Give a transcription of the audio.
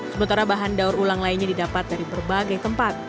sementara bahan daur ulang lainnya didapat dari berbagai tempat